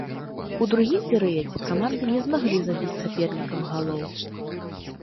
У другім перыядзе каманды не змаглі забіць сапернікам галоў.